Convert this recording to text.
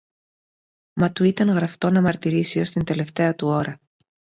Μα του ήταν γραφτό να μαρτυρήσει ως την τελευταία του ώρα